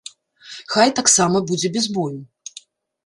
Хай таксама будзе без бою.